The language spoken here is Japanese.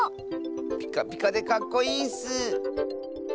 ピカピカでかっこいいッス！